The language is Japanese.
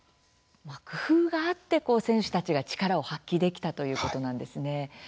工夫があって選手たちが力を発揮できたということなんですね。